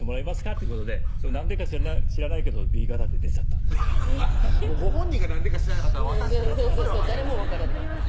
ってことでなんでか知らないけど「Ｂ型」って出ちゃったご本人がなんでか知らなかったら私たちそうそう誰も分からない